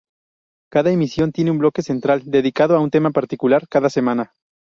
Cada emisión tiene un bloque central, dedicado a un tema particular cada semana.